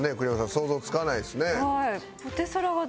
想像つかないですね。